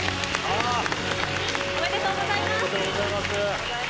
おめでとうございます。